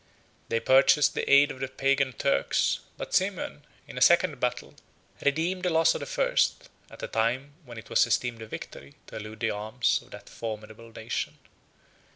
They purchased the aid of the Pagan Turks; but Simeon, in a second battle, redeemed the loss of the first, at a time when it was esteemed a victory to elude the arms of that formidable nation.